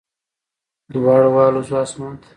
دواړه والوزو اسمان ته